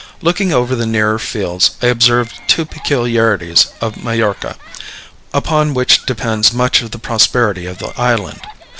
Looking over the nearer fields, I observed two peculiarities of Majorca, upon which depends much of the prosperity of the island.